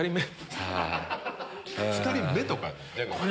２人目とかって。